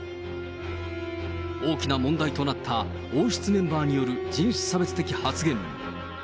大きな問題となった、王室メンバーによる人種差別的発言。